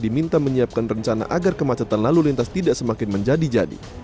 diminta menyiapkan rencana agar kemacetan lalu lintas tidak semakin menjadi jadi